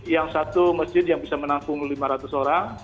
yang satu masjid yang bisa menampung lima ratus orang